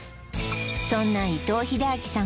そんな伊藤英明さん